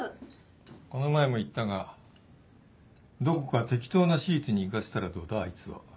この前も言ったがどこか適当な私立に行かせたらどうだあいつを。